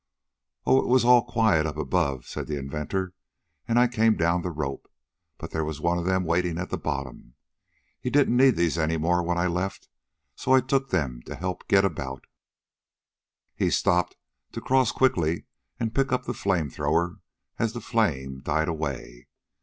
"Oh, it was all quiet up above," said the inventor, "and I came down the rope. But there was one of them waiting at the bottom. He didn't need these any more when I left, so I took them to help get about " He stopped, to cross quickly and pick up the flame thrower as the flame died away.